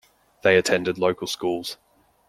They attended local schools.